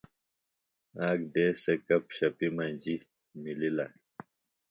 آک دیس سےۡ گپ شپیۡ مجیۡ مِلِلہ ۔